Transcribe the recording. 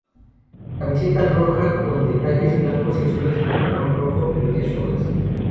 Camiseta roja con detalles blancos y azules, pantalón rojo y medias rojas.